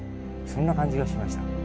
そんな感じがしました。